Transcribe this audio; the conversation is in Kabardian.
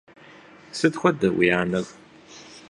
Сыт хуэдэ уи анэр?